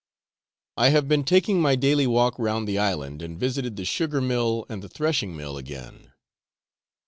I have been taking my daily walk round the island, and visited the sugar mill and the threshing mill again.